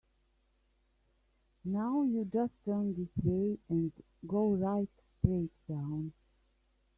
Now you just turn this way and go right straight down.